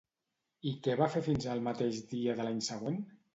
I què va fer fins al mateix dia de l'any següent?